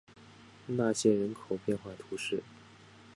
纳谢人口变化图示